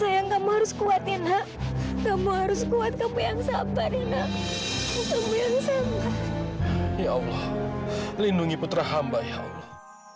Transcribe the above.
saya allah lindungi putra hamba ya allah